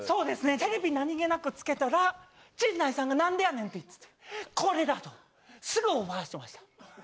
テレビ、何気なくつけたら、陣内さんがなんでやねんって言ってて、これだと、すぐオファーしました。